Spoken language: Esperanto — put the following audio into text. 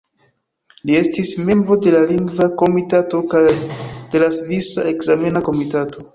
Li estis membro de la Lingva Komitato kaj de la Svisa Ekzamena Komitato.